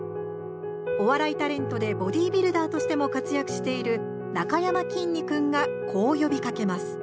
お笑いタレントでボディービルダーとしても活躍しているなかやまきんに君がこう呼びかけます。